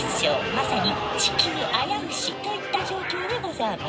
まさに地球あやうしといった状況でござあます。